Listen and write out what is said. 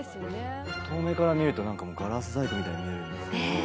遠目から見るとガラス細工みたいに見えるんですけど。